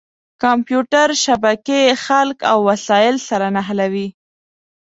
کمپیوټر شبکې خلک او وسایل سره نښلوي.